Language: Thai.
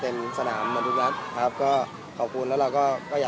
เอาให้กลางบอลด้วย